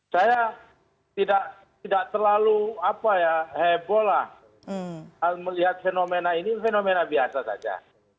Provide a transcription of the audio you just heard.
saya tidak terlalu heboh lah melihat fenomena ini fenomena biasa saja